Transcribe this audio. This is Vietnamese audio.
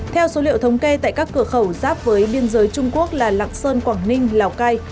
theo số liệu thống kê tại các cửa khẩu giáp với biên giới trung quốc là lạng sơn quảng ninh lào cai